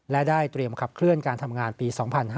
และได้เตรียมขับเคลื่อนการทำงานปี๒๕๕๙